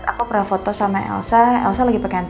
aku pernah foto sama elsa